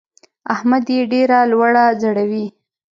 احمد يې ډېره لوړه ځړوي.